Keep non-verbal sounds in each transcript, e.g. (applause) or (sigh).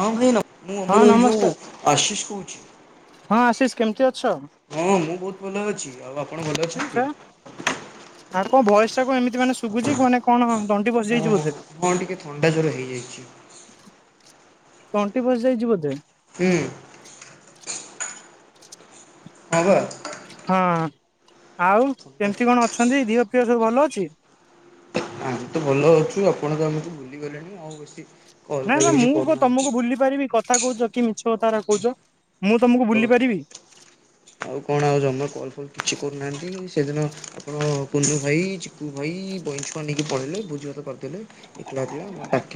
ହଁ ଭାଇନା ମୁଁ ହଁ ଆମର ଏଇ ଯୋଉ ନମସ୍କାର ଆଶିଷ କହୁଛି। ହଁ ଆଶିଷ କେମିତି ଅ ଛ? ହଁ ମୁଁ ବହୁତ ଭଲ ଅଛି ଆଉ ଆପଣ ଭଲ ଅଛନ୍ତି? ଆଛା ତାହାଲେ କଣ ଭଏସ ଆଛା କଣ ଏମିତି ମାନେ ଶୁଭୁଛି ମାନେ କଣ ତଣ୍ଟି ବସିଯାଇଛି ଓଃ ବୋଧେ? ହଁ ଟିକେ ଥଣ୍ଡା ଜ୍ଵର ହେଇଯାଇଛି ତଣ୍ଟି ବସିଯାଇଛିିବ ବୋଧେ? ହୁଁ। ହଁ ବା। ହଁ ଆଉ ଥଣ୍ଡା କେମିତି କଣ ଅଛନ୍ତି, ଦିଅ ଫିଅ ସବୁ ଭଲ ଅଛି? ଚୀ ଆଜିତ ଭଲଅଛୁ ଆପଣତ ଆମକୁ ଭୁଲିଗଲେଣି ଆଉ ସି ନା ନା ମୁଁ କଣ ତମକୁ ଭୁଲି ପାରିବି କଥା କହୁଛ, କି ମିଛ ଆଉ କଥା ଗୁରା କହୁଛ? ମୁଁ ତମକୁ ସତ ଭୁଲି କଥା ପାରିବି ଆଉ କଣ ଆଉ ଜମା କଲ ଫଲ କି କିଛି କରୁନାହାଁନ୍ତି ସେଦିନ ଆପଣ କୁନ୍ଦୁ ଭାଇ ଚିକୁୁ ଭାଇ ବଇ ଛୁଆ ନେଇକି ପଳେଇଲେ ଭୋଜି ଭାତ ଏତେଲେଟ ଏକଲା ଥିଲା ମତେ ଡାକ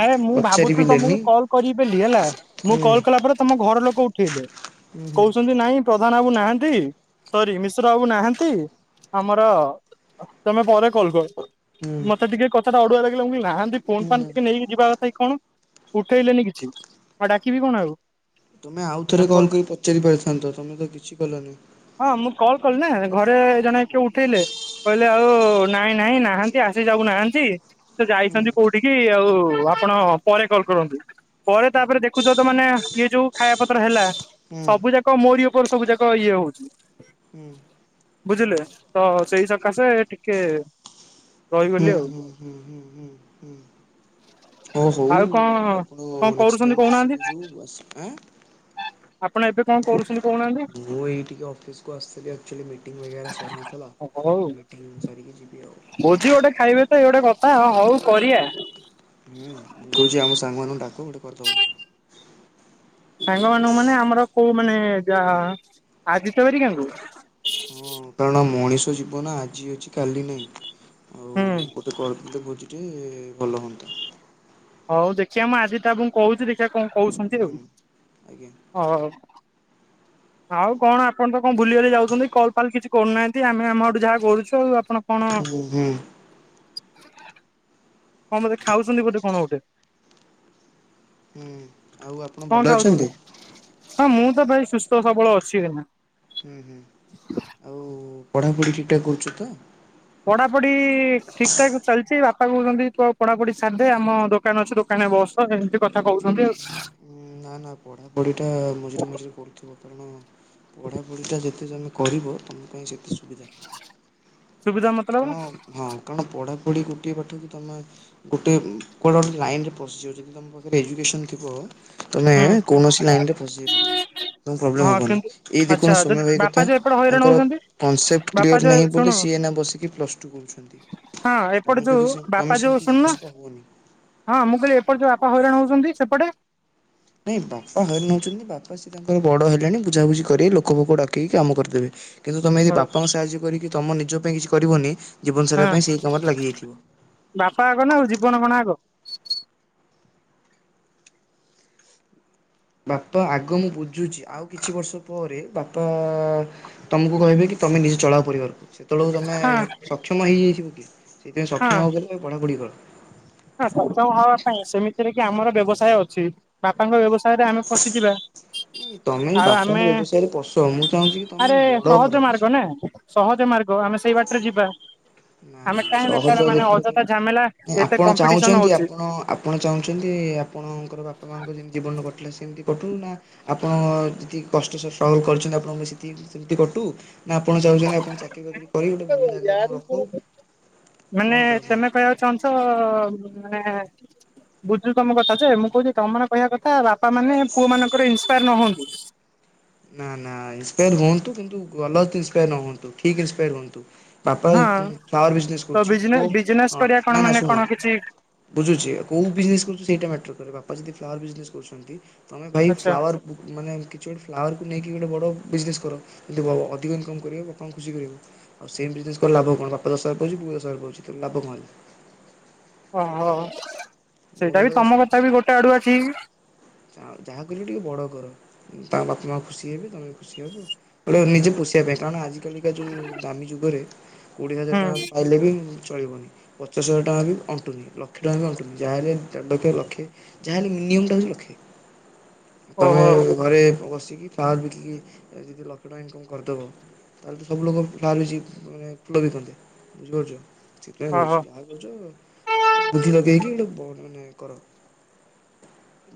ଆରେ ମୁଁ ଭାବୁଥିଲି ତମକୁ କଲ୍ କରି ବଲି ହେଲା, ମୁଁ ହୁଁ କଲ୍ କଲା ପରେ ତମ ଘର ଲୋକ ଉ ହୁଁ ହୁଁ କହୁଛନ୍ତି ନାଇଁ ପ୍ରଧାନ କଣ ନାହାନ୍ତି ସରି ମିଶ୍ର ବାବୁ ନାହାନ୍ତି ଆମର ତମେ ପରେ କଲ୍ କର। ହୁଁ ମତେ ଟିକେ କଥାଟା ଅଡୁଆ ଲାଗିଲା ମୁଁ କହିଲି ନାହାଁନ୍ତି ଫୋନ ହୁଁ ଫାନ ହୁଁ କହିକି ଯିବା କଥା କି କଣ? ଉଠେଇଲେନି କିଛି, ଆଉ ଡାକିବି କଣ ଆଉ। ତୁମେ ଆଉଥରେ ଆମେ କଲ କରି ପଚାରି ପାରିଥାନ୍ତ, ତମେ ତ କିଛି କଲନି। ହଁ ମୁଁ କଲ୍ କଲି ନା ଘରେ ଜଣେ କିଏ ଉଠେଇଲେ, କହିଲେ ଆଉ ନାଇଁ ନାଇଁ ନାହାଁନ୍ତି ଆଶିଷ ବାବୁ ନାହାଁନ୍ତି ସେ ହୁଁ ଯାଇଛନ୍ତି କୋଉଠିକି ଆଉ ଆପଣ ପରେ କଲ କରନ୍ତୁ। ପରେ ତାପରେ ଦେଖୁଛ ତ ମାନେ ଇଏ ଯୋଉ ଖାଇବା ପତ୍ର ହେଲା, ହୁଁ ସବୁ ଯାକ ମୋରି ଉପ ଉପରେ ସବୁ ଯାକ ଇଏ ହଉଛି। ହୁଁ ବୁଝିଲେ, ତ ସେଇ ସକାଶେ ଟିକେ ହୁଁ ରହିଗଲି ଆଉ ହୁଁ ହୁଁ ହୁଁ ହୁଁ ହୁଁ। ଓ ହଉ ଆଉ କଣ ଆପଣ କଣ ନେଷ୍ଟ କରୁଛନ୍ତି ଟାଇମ କହୁନାହାନ୍ତି ଆସିବେ ଯୋଉ ଆସିବେ ଆଁ ଆପଣ ଏବେ କଣ କରୁଛନ୍ତି? କହୁନାହାନ୍ତି ମୁଁ ଏଇ ଟିକେ ଅଫିସକୁ ଆସିଥିଲି ଆକଚୁଆଲି ମିଟିଂ ବଗେରା ସରି ନଥିଲା ହଉ। ମିଟିଂ ସାରିକି ଯିବି। ଆଉ। ଭୋଜି ଗୋଟେ ଖାଇବେ ତ ଏଇ ଗୋଟେ କଥା ଆ ହଉ କରିବା। ହୁଁ ମୁଁ କହୁଛି ଆମ ସାଙ୍ଗ ମାନଙ୍କୁ ଡାକ ଗୋଟେ କରିଦବା। ସାଙ୍ଗ ମାନଙ୍କୁ ମାନେ ଆମର କୋଉ ମାନେ ଯାହା ଆଦିତ୍ୟ ହେରିକାଙ୍କୁ? ହଁ କାରଣ ମଣିଷ ଜୀବନ ଆଜି ଅଛି କାଲି ନାଇଁ। ଆଉ ହୁଁ ଗୋଟେ କରିଦେଲେ ଭୋଜିଟେ ଟେ ଭଲ ହୁଅନ୍ତା। ହଉ ଦେଖିବା ମୁଁ ଆଦିତ୍ୟ ବାବୁଙ୍କୁ କହୁଛି ଦେଖିବା କଣ କହୁସନ୍ତି ହୁଁ ଆଉ ଆଜ୍ଞା ହଉ। ଆଉ କଣ ଆପଣ ତ କଣ ଭୁଲିି ବାଲି ଯାଉଛନ୍ତି କଲ ଫାଲ କିଛି କରୁନାହାଁନ୍ତି, ଆମେ ଆମ ଆଡୁ ଯାହା କରୁଛୁ ଆଉ ଆପଣ କଣ ହୁଁ ହୁଁ। କଣ ବୋଧେ ଖାଉଛନ୍ତି ଗୋଟେ କଣ ଗୋଟେ? ହୁଁ ଆଉ ଆପଣ କଣ ଭଲ ଖାଉଛନ୍ତି? ଅଛନ୍ତି? ହଁ ମୁଁ ତ ଭାଇ ସୁସ୍ଥ ସବଳ ଅଛି କି ନା। ହୁଁ ହୁଁ ଆଉ ପଢ଼ାପଢ଼ି ଠିକଠାକ୍ କରୁଛ ତ? ପଢାପଢି ଠିକ ଠାକ ଚାଲିଚି, ବାପା କହୁଛନ୍ତି ତୁ ଆଉ ପଢାପଢି ସାରିଦେ, ଆମ ଦୋକାନ ଅଛି ଦୋକାନ କନରେ ବସ ଏମିତି କଥା କହୁଛନ୍ତି ଆଉ। ନା ନା ପଢ଼ାପଢ଼ିଟା ମଝିରେ ମଝିରେ କରୁଥିବ କାରଣ ପଢ଼ାପଢ଼ିଟା ଯେତେ ତମେ କରିବ ତୁମେ ପାଇଁ ସେତେ ସୁବିଧା। ସୁବିଧା ମତଲବ କାରଣ ହଁ କାରଣ ପଢା ପଢ଼ି ଗୋଟିଏ ପାଠକୁ କି ତୁମେ ଗୋଟେ କୁଆଡେ ଗୋଟେ ଲାଇନ ରେ ପଶିଯାଉଚ, ଯଦି ତୁମ ପାଖରେ ଏଜୁକେସନ୍ ଥିବ ତମେ ହୁଁ କୌଣସି ଲାଇନରେ ପଶିଯାଇ ପାରିବ। ତ ପ୍ରୋବ୍ଲେମ ହଁ ହବନି କିନ୍ତୁ ଏଇ ଆଚ୍ଛା ଦେଖୁନୁ ଯଦି ସୋମ୍ୟ ଭାଇ ବାପା କଥା, ଯୋଉ ଏପଟେ ହଇରାଣ ତାଙ୍କର ହଉଛନ୍ତି କନସେପଟ୍ ବାପା କ୍ଲିୟର ଯୋଉ ନାହିଁ ଶୁଣୁ ବୋଲି ସିଏ ଏଇନା ବସିକି ପ୍ଲସ ଟୁ କରୁଛନ୍ତି। ହଁ ଏପଟେ ତମେ ଯୋଉ ଯଦି ସେମ ବାପା ତମେ ଯୋଉ ସେମିତି ଶୁଣୁନ ହିନସ୍ତା ହୁଅନି। ହଁ ମୁଁ କହିଲି ଏପଟେ ଯୋଉ ଆପଣ ହଇରାଣ ହଉଛନ୍ତି ସେପଟେ। ନାଇଁ ବାପା ହଇରାଣ ହଉଛନ୍ତି ବାପା ସେ ତାଙ୍କର ବଡ ହେଲେଣି ବୁଝାବୁଝି କରିବେ ଲୋକ ଫୋକ ଡକେଇକି କାମ କରିଦେବେ କିନ୍ତୁ ତୁମେ ଯଦି ବାପାଙ୍କ ସାହାଯ୍ୟ କରିକି ତମ ନିଜ ପାଇଁ କିଛି କରିବନି ଜୀବନସାରା ହଁ ପାଇଁ ସେହି କାମରେ ବାପା ଆଗ ନା ଆଉ ଲାଗିଯାଇଥିବ। ଜୀବନ କଣ ଆଗ ବାପା ଆଗ ମୁଁ ବୁଝୁଛି ଆଉ କିଛି ବର୍ଷ ପରେ ବାପା ତମକୁ କହିବେ କି ତମେ ନିଜେ ଚଳାଅ ପରିବାରକୁ। ସେତେବେଳକୁ ତୁମେ ହଁ ସକ୍ଷମ ହେଇଯାଇଥିବ କି ସେଇଥିପାଇଁ ସକ୍ଷମ ହେବାକୁ କଲେ ପଢ଼ାପଢ଼ି କର। ନା ସକ୍ଷମ ହବା ପାଇଁ ସେମିତିରେ କି ଆମର ବ୍ୟବସାୟ ଅଛି। ବାପାଙ୍କ ବ୍ୟବସାୟ ରେ ଆମେ ପଶିଯିବା ନୁହେଁ କି ତମେ ଏଇ ଆଉ ଆମେ ବାପାଙ୍କ ବ୍ୟବସାୟରେ ପଶ ମୁଁ ଚାହୁଁଛି କି ଆରେ ତମେ ବଡ ସହଜ କର ମାର୍ଗ କିଛି ନା ସହଜ ମାର୍ଗ ଆମେ ସେଇ ବାଟରେ ଯିବା। ନା ଆମେ ନା କାହିଁ ସହଜ ବେକାର ମାନେ ଦେଖିଲେ ତ ଅଯଥା ଝାମେଲା ଏତେ ଆପଣ କ ଚାହୁଁଛନ୍ତି ଆପଣ ଆପଣ ଚାହୁଁଛନ୍ତି ଆପଣଙ୍କର ବାପା ମାଆଙ୍କ ଯେମିତି ଜୀବନ କଟିଲା ସେମିତି କଟୁନି ନା ଆପଣ ଯେତିକି କଷ୍ଟରେ ଷ୍ଟ୍ରଗଲ୍ କରିଛନ୍ତି ଆପଣଙ୍କୁ ସେ ସେମିତି କଟୁ ନା ଆପଣ ଚାହୁଛନ୍ତି ଆପଣ ଚାକିରୀ ବାକିରି କରିିକି ଗୋଟେ ଭଲ ଜାଗାରେ ତାଙ୍କର ମାନେ ତେମେ କହିବାକୁ ଚାହୁଁଚ ମାନେ ବୁଝୁଚି ତମ କଥା ଯେ ମୁଁ କହୁଚି ତମମାନଙ୍କ କହିବା କଥା ବାପା ମାନେ ପୁଅ ମାନଙ୍କର ଏହିସ୍ ସେୟାର୍ ନ ହୁଅନ୍ତୁ। ନା ନା ଇନ୍ସପେୟାର ହୁଅନ୍ତୁ କିନ୍ତୁ ଗଲତ୍ ଇନ୍ସପେୟାର ନ ହୁଅନ୍ତୁ ଠିକ୍ ଇନ୍ସପେୟାର ହୁଅନ୍ତୁ। ବାପା ଏଇ କି ହଁ ଫ୍ଲାୱାର ବିଜନେସ୍ ତ କରୁଚି ବିଜନେ ପୁଅ ବିଜନେସ୍ କରିବା ହ କଣ ନା ନା ମାନେ କଣ ଶୁଣ କିଛି ବୁଝୁଚି ଆଉ କୋଉ ବିଜନେସ କରୁଚି ସେଇଟା ମ୍ୟାଟର କରେ ବାପ ପା ଯଦି ଫ୍ଲାୱାର ବିଜନେସ କରୁଚନ୍ତି ତମେ ଭାଇ ଆଚ୍ଛା ଫ୍ଲାୱାର ମାନେ କିଛି ଗୋଟେ ତାକୁ ନେଇକି ଗୋଟେ ବଡ଼ ବିଜନେସ କର। କିନ୍ତୁ ଅଧିକ ଇନକମ୍ କରି ବାପାଙ୍କୁ ଖୁସି କରିବ। ଆଉ ସେମ୍ ବିଜନେସ କଲେ ଲାଭ? ଆଉ କଣ ବାପା ଦଶାର ପାଉଚି ପୁଅ ଦଶାର ପାଉଛି ତେଣୁ ଲାଭ କଣ ହେଲା। ଓ ହୋ। ମୁଁ (unintelligible) ହଁ ଯାହା କରିବ ଟିକେ ବଡ କର। ତାଙ୍କ ବାପା ମା ଖୁସି ହେବେ ତମେ ଖୁସି ହବ ନିଜେ ପୋଷିଆ ପାଇଁ କାରଣ ଆଜି ଅକାଳିକା ଯୋଉ ଦାମୀ ଯୁଗରେ କୋଡିଏ ହଜାର ଟଙ୍କା ହୁଁ ପାଇଲେ ବି ଚଳିବନି। ପଚାଶ ହଜାର ଟଙ୍କା ବି ଅଣ୍ଟୁନି। ଲକ୍ଷେ ଟଙ୍କା ବି ଅଣ୍ଟୁନି। ଯାହାହେଲେ ଦଣ୍ଡକେ ଲକ୍ଷେ ଯାହାହେଲେ ମିନିମମ୍ ଟା ହଉଚି ଲକ୍ଷେ। ତମେ ଓହୋ ଘରେ ବସିକି ଇ ଫାର୍ମ ବିକିକି ଯଦି ଲକ୍ଷେ ଟଙ୍କା ଇନକମ୍ କରିଦବ ତାହେଲେ ତ ସବୁ ଲୋକ ଫାର୍ମ (unintelligible) ରହିଥାନ୍ତା। ବୁଝିପାରୁଚ। ସେଥିପାଇଁ କହୁଚି ଓହୋ ଯାହା କରୁଚ ଗୋଟେ ବୁଦ୍ଧି ଲଗେଇକି (unintelligible) କର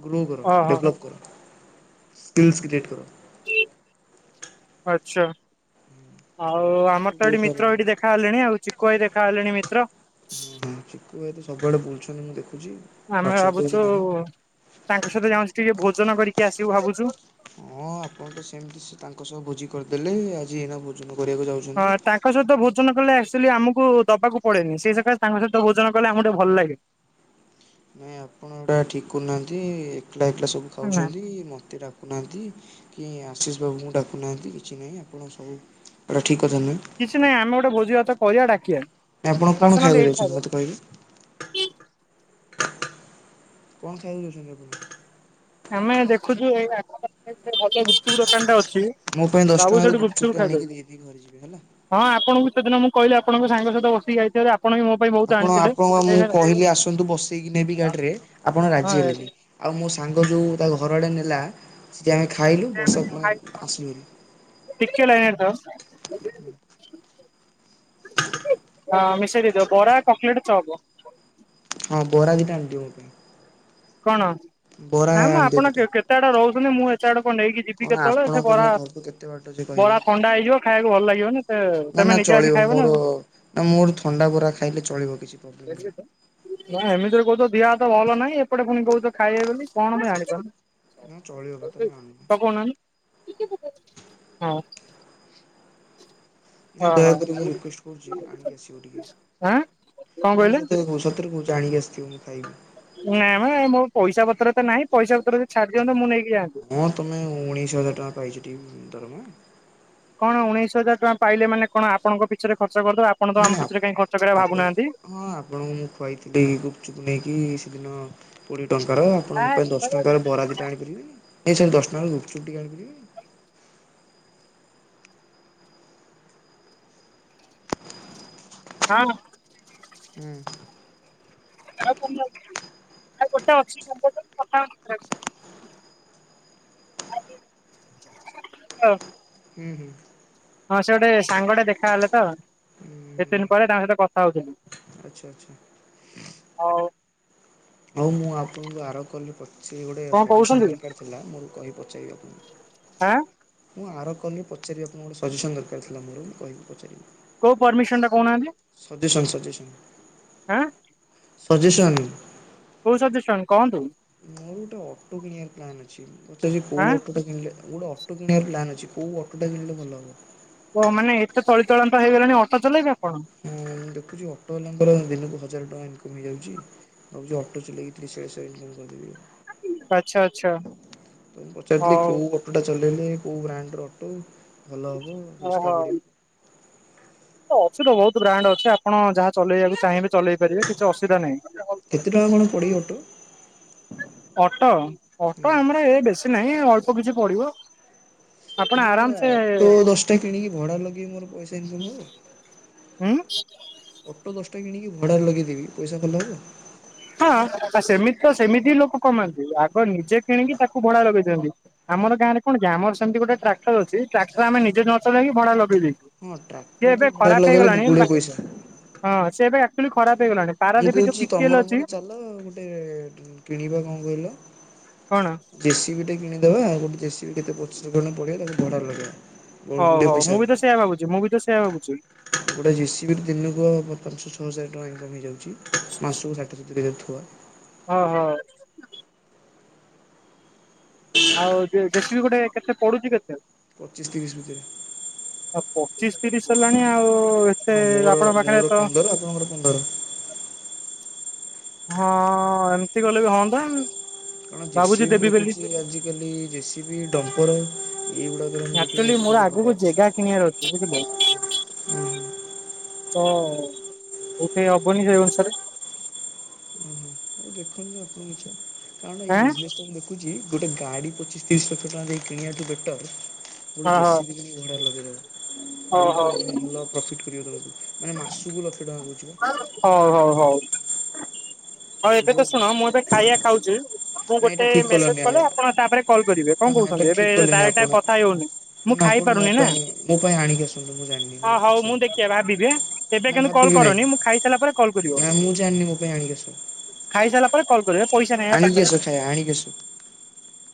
ଗ୍ରୋ କର। ଓହୋ। ଡେଭଲପ୍ କର। ସ୍କିିଲ୍ସ କ୍ରିଏଟ କର। ଆଚ୍ଛା। ଆଉ ନହେଲେ ଆଗକୁ ଆମର ତ ବହୁତ ଏଠି ହଇରାଣ ମିତ୍ର ହବ ଏଇଠି ଦେଖାହେଲେଣି ଆଉ ଚିକୁ ଭାଇ ଦେଖା ହେଲେଣି ମିତ୍ର। ହୁଁ ହୁଁ ଚିକୁ ଭାଇ ତ ସବୁଆଡେ ବୁଲୁଛନ୍ତି ମୁଁ ଦେଖ ଆମେ ଭାବୁଛୁ ତାଙ୍କ ସହିତ ଯାଉଁଛୁ ଟିକେ ଭୋଜନ କରିକି ଆସିବୁ ଭାବୁଛୁ। ହଁ ଆପଣ ତ ସେମିତି ସେ ତାଙ୍କ ସହ ଭୋଜି କରିଦେଲେ। ଆଜି ଏଇନା ଭୋଜନ କରିବାକୁ ଯାଉଛନ୍ତି ହଁ ତାଙ୍କ ସହିତ ଭୋଜନ କଲେ ଆକ୍ଚୁଆଲି ଆମକୁ ଦବାକୁ ପଡେନି ସେଇ ସକାଶ ତାଙ୍କ ସହିତ ଭୋଜନ କଲେ ଆମକୁ ଟିକେ ଭଲ ଲାଗେ। ନାଇଁ ଆପଣ ଏଗୁଡା ଠିକ କରୁନାହାନ୍ତି। ଏକଲା ଏକଲା ସବୁ ଖାଉଛନ୍ତି ମତେ ଡାକୁନାହାନ୍ତି। କି ଆଶିଷ ବାବୁଙ୍କୁ ଡାକୁନାହାନ୍ତି କିଛି ନାହିଁ ଆପଣ ସବୁ। (unintelligible) କିଛି ନାଇଁ ଆମେ ଗୋଟେ ଭୋଜି ଭାତ କରିବା ଡାକିଆ। ଆପଣ କଣ ଖାଇବାକୁ ଯାଉଚନ୍ତି ମତେ କହିଲେ। କଣ ଖାଇବାକୁ ଯାଉଚନ୍ତି ଆପଣ? ଆମେ ଦେଖୁଛୁ ଏଇ ଆଖପାଖରେ ଗୋଟେ ଭଲ ଗୁପଚୁପ ଦୋକାନ ଟା ଅଛି। ମୋ ପାଇଁ ଦଶ ବାବୁ ଟଙ୍କାର ସେଠି ଗୁପଚୁପଟେ ଗୁପଚୁପ ଖାଇଦବୁ। ଆଣିକି ଦେଇଦେଇକି ଘରେ ଯିବେ ହେଲା ହଁ ଆପଣଙ୍କୁ ସେଦିନ ମୁଁ କହିଲି ଆପଣଙ୍କ ସାଙ୍ଗ ସହିତ ବସିକି ଯାଇଥିବେ ଯେ ଆପ୍ ଆପଣ ଆପଣଙ୍କୁ ବା ମୁଁ କହିଲି ଆସନ୍ତୁ ବସେଇକି ନେବି ଗାଡିରେ ଆପଣ ରାଜି ହଁ ହେଲେନି। ଆଉ ମୋ ସାଙ୍ଗ୍ ଗ ଯୋଉ ତା ଘର ଆଡ଼େ ନେଲା ସେଠି ଆମେ ଖାଇଲୁ ବର୍ଷାକ ମାନେ ଆସିଲୁ ବୋଲି। ଟିକେ ଲାଇନରେ ଥାଅ। ହଁ ମିଶେଇକ ଦେଇ ଦିଅ। ବରା, କଟଲେଟ୍, ଚପ। ହଁ ବୋରା ଦେଇ ଟ ଆଣି ଦ କଣ ନା ମା ଆପଣ ଦିଟା କେତେ ଆଡେ ରହୁଛନ୍ତି ମୁଁ ଏତେ ଆଡେ କଣ ନେଇକି ଯିବି କଣ କେତବେଳେ ସେ ଆପଣଙ୍କ ବରା ମୋ ଘରକୁ କେତେ ବାଟ ଯେ କହିବେ ବରା ଥଣ୍ଡା ହେଇଯିବ ଖାଇବାକୁ ଭଲ ଲାଗିବନି ସେ। ନା ନା (unintelligible) ଚଳିବ ମୋର ନା ମୋର ଥଣ୍ଡା ବରା ଖାଇଲେ ଚଳିବ କିଛି ପୋବ୍ଲେମ୍ ନାହିଁ। ନା ଏମିତିରେ କହୁଚ ଦିହ ହାତ ଭଲ ନାହିଁ ଏପଟେ ଫୁଣି କହୁଚ ଖାଇବ ବୋଲି କଣ ମୁ ନା ଚଳିବ ବା ତମେ ଜାଣିପାରୁନି। ଆଣିବ। ତାକୁ ଅନାନି। ନା ଆଁ ଦୟାକରି ମୁଁ ରିକ୍ୱେଷ୍ଟ କରୁଚି ଆଣିକି ଆସିବ ଟିକେ। କଣ ନା ମୁଁ କହିଲେ? ସତରେ କହୁଚି ସତରେ କହୁଚି ଆଣିକି ଆସିଥିବ ମୁଁ ଖାଇବି। ନାଁ ମ ଏ ମୋ ପଇସା ପତ୍ର ତ ନାହିଁ ପଇସା ପତ୍ରରେ ଛାଡି ଦିଅନ୍ତୁ ମୁଁ ନେଇକି ଯାଆନ୍ତି। ହଁ ତମେ ଉଣେଇଶ ହଜାର ଟଙ୍କା ପାଇଚ ଟି ଦରମା? କଣ ଉଣେଇଶ ହଜାର ଟଙ୍କା ପାଇଲେ ମାନେ କଣ ଆପଣଙ୍କ ପିଛାରେ ଖ ଆପଣ ତ ନାଇଁ ଆମ ପିଛାରେ କାଇଁ ଖ ଆପଣ ହଁ ଆପଣଙ୍କୁ ମୁଁ ଖୁଆଇଥିଲି ଗୁପଚୁପ ନେଇକି ସେଦିନ। କୋଡିଏ ଟଙ୍କାର ଆପଣଙ୍କ ହଁ ପାଇଁ ଦଶ ଗୋଟେ ଅଛି ଟଙ୍କାର ବରା ଦିଟା ଆଣିପାରିବି। ନାଇଁ ସାର୍ ଦଶ ଟଙ୍କାର ଗୁପଚୁପ ଚୁଟି କାଟିଥିଲି। ହଁ। ହୁଁ। (unintelligible) (unintelligible) ହଁ। ହୁଁ ହୁଁ। ହଁ ସେ ଗୋଟେ ସାଙ୍ଗଟେ ଦେଖା ହେଲେ ତ ଏତେ ଦିନ ପରେ ତାଙ୍କ ସହିତ କଥା ହଉଥିଲି। ଆଚ୍ଛା ଆଚ୍ଛା। ହଉ ହଉ ମୁଁ ଆପଣଙ୍କୁ ଆର କଲ ରେ ସେ ଗୋଟେ କଣ ସଜେସନ କହୁଛନ୍ତି ଦରକାର ଥିଲା। ମୋର କହି ପଚାରବି ଆଁ ଆପଣଙ୍କୁ ମୁଁ ଆର କଲ୍‌ ରେ ପଚାରିବି ଆପଣ ଗୋଟେ ସଜେସନ୍ ଦରକାରଥିଲା ମୋର କହିିବି ପଚାରିବି। କୋଉ ପରମିଶନ ସଜେସନ୍‌ ସଜେସନ୍‌ ଆଁ ସଜେସନ୍‌। କୋଉ ସଜେସନ୍‌ କହନ୍ତୁ? ଗୋଟେ ଅଟୋ କିଣିବାର ପ୍ଲାନ୍‌ ଅଛି। ପଚାରିବେ କୋଉ ଆଁ ଅଟୋଟା କିଣିଲେ ମୁ ଗୋଟେ ଅଟୋ କିଣିବାର ପ୍ଲାନ୍ ଅଛି। କୋଉ ଅଟୋଟା କିଣିଲେ ଭଲ ହବ? ଓ ମାନେ ଏତେ ତଳିିତଳାନ୍ତ ହେଇଗଲଣି ଅଟୋ ଚଲେଇବେ। ଆପଣ ହଁ ମୁଁ ଦେଖୁଛି ଅଟୋ ବାଲାଙ୍କର ଦିନକୁ ହଜାର ଟଙ୍କା ଇନ କମିଯାଉଛି ଭାବୁଛି ଅଟୋ ଚଲେଇକି (unintelligible) କରିଦେବି। ଆଚ୍ଛା ଆଚ୍ଛା ତ ପଚାରଥିଲି ହଉ। କୋଉ ଅଟୋଟା ଚଲେଇଲେ କଉ ବ୍ରାଣ୍ଡର ଅଟୋ ଭଲ ହବ ଶସ୍ତା ପଡ଼ିବ? ଅଛିତ ବହୁତ ବ୍ରାଣ୍ଡ ଅଛି। ଆପଣ ଯାହା ଚଲେଇବାକୁ ଚାହିଁବେ ଚଲେଇ ପାରିବେ କିଛି ଅସୁିବିଧା ନାହିଁ। କେତେ ଟଙ୍କା କଣ ପଡ଼ିିବ ଅଟୋ? ଅଟୋ ହୁଁ। ଅଟୋ ଆମର ଏ ବେଶୀ ନାହିଁ ଅଳ୍ପ କିଛି ପଡିବ। ଆପଣ ଯଦି ମୁଁ ଆରାମ ସେ ଅଟୋ ଦଶଟା କିଣିକି ଭଡା ଲଗେଇବି ମୋର ପଇସା ଇନ୍‌କମ ହବ। ହୁଁ। ଦଶଟା କିଣିକି ଭଡ଼ାରେ ଲଗେଇଦେବି ପଇସା ଭଲ ହବ? ହଁ ଆ ସେମିତି ତ ସେମିତି ହି ଲୋକ କମାନ୍ତି ଆଗେ ନିଜେ କିଣିକି ତାକୁ ଭଡା ଲଗେଇ ଦିଅନ୍ତି। ଆମ ଗାଁରେ କଣ କି ଆମ ର ସେମିତି ଗୋଟେ ଟ୍ରାକ୍ଟର ଅଛି ଟାକ୍ଟର ଆମେ ନିଜେ ନ ଚଲେଇକି ଭଡା ଲଗେଇ ଦେଇଛୁ। ହଁ ଟ୍ରାକ୍ଟର ସିଏ ତ ଏବେ ଭଡ଼ାରେ ଖରାପ ଲଗେଇଲେ ହେଇଗଲାଣି ଗୁଡ଼େ ନାଙ୍କ ପଇସା। ହଁ ସିଏ ଏବେ ଆକ୍ଚୁଆଲି ଖରାପ ହେଇଗଲାଣି ମୁଁ ପାରାଦୀପ ଯୋଉ କହୁଛି ପିଟିଏଲ ତମର ଅଛି ମୋର ଚାଲ ଗୋଟେ କିଣିବା କଣ କହିଲ? କଣ? ଗୋଟେ କିଣିଦବା ଆଉ ଗୋଟେ ଦେଶୀ କେତେ ପଡୁଚି କଣ ତାକୁ ଭଡ଼ା ଲଗେଇ ଦବା? ହଉ ହଉ ମୁଁ ବି ତ ସେଇୟା ଭାବୁଛି ମୁଁ ବି ତ ସେଇୟା ଭାବୁଛି। ଗୋଟେ ଜେସିବି ଦିନକୁୁ ହବ ପାଞ୍ଚ ଛଅ ହଜାର ଇନକମ୍ ହେଇଯାଉଛି ମାସକୁ ଷାଠିଏ ସତୁରି ହଜାର ହୋଉ ଥିବ। ହଁ ହଁ। ଆଉ ଜେସିବି ଗୋଟେ କେତେ ପଡୁଛି କେତେ? ପଚିଶି ତିରିଶ ଭିତରେ। ଆଉ ପଚିଶି ତିରିଶି ହେଲାଣି ଆଉ ଏତେ ହଁ ମୋର ଆପଣଙ୍କ ପାଖରେ ମୋର ତ (inaudible) ପନ୍ଦର ଆପଣଙ୍କର ପନ୍ଦର। ହଁ ଏମିତି ଗଲେ ବି ହୁଅନ୍ତା। କଣ ଜେସିବିି ମୁଁ ଦେଖୁଛି ଆଜିକାଲି ଜେସିବିି ଡମ୍ପର ଏଇଗୁଡାକରେ ମୁଁ ଦେଖୁଛି ଆକ୍ଚୁଆଲି ମୋର ଆଜିିକାଲି ଆଗକୁ ଭଲ ଅଛି। ଜେଗା କିଣିବାର ଅଛି ବୁଝିଲେ ତ ଗୋଟେ ହବନି ସେଇ ଅନୁସାରେ। ଦେଖନ୍ତୁ ଆପଣଙ୍କ ଇଚ୍ଛା କାରଣ ଏଇ ଆଁ ବିଜନେସଟା ମୁଁ ଦେଖୁଛି ଗୋଟେ ଗାଡ଼ି ପଚିଶି ତିରିଶି ଲକ୍ଷ ଟଙ୍କା ଦେଇକି କିଣିବା ଟୁ ବେଟର ଗୋଟେ ଜେସିିବି କିଣିକି ଭଡ଼ା ଲଗେଇ ହଁ ହଁ ହଉ ବହୁତ ହଉ ମାନେ ଭଲ ପ୍ରଫିଟ କରିବ ତମକୁ ମାନେ ମାସକୁ ଲକ୍ଷେ ଟଙ୍କା କହୁ। ହଉ ହଉ ହଉ ହଉ ଏବେ ତ ବୁଝିପାରୁଛ ନା? ଶୁଣ ମୁଁ ଏବେ ଖାଇବା ଖାଉଛି। ମୁଁ ନାଇଁ ଏଇଟା ଗୋଟେ ଠିକ୍ ମେସେଜ କଲନି ଆ କଲେ ଆପଣ ତାପରେ କଲ୍ କରିବେ କଣ ନା ନା ଏଇଟା କହୁଛନ୍ତି ଏବେ ଠିକ୍ କଲେନି ଡାଇରେକ୍ଟ ଆପଣ। କଥା ହେଇ ହେଉନି। ମୁଁ ନା ଆପଣ ମୋ ଖାଇପାରୁନି ନା ପାଇଁ ମୋ ପାଇଁ ଆଣିକି ଆସନ୍ତୁ ମୁଁ ଜାଣିନି ହ ହଉ କିଛି ମୁଁ ଜାଣିନି। ଦେଖିବା ଭାବିବି ଏବେ ନା କିନ୍ତୁ କଲ୍ ଭାବିବି ନାହିଁ କରନି ମୁଁ ଖାଇସାରିଲା ପରେ କଲ୍ କରିବ ନା ମୁଁ ଜାଣିନି ମୋ ପାଇଁ ଆଣିକି ଆସ। ଖାଇସାରିଲାପରେ କଲ୍ ପଇସା ନାହିଁ ପା ପାଖରେ।